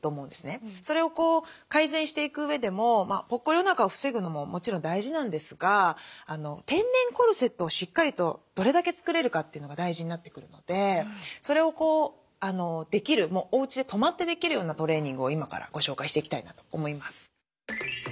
それを改善していくうえでもぽっこりおなかを防ぐのももちろん大事なんですが天然コルセットをしっかりとどれだけ作れるかというのが大事になってくるのでそれをできるおうちで止まってできるようなトレーニングを今からご紹介していきたいなと思います。